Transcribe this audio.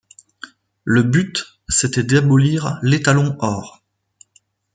Le but, c’était d’abolir l’étalon or.